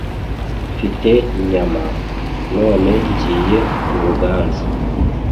mfite inyama, none ngiye i buganza